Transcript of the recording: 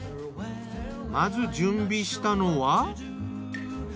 まず準備したのは。